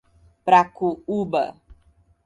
Pracuúba